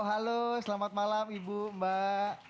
halo selamat malam ibu mbak